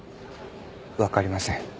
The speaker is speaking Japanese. わかりません。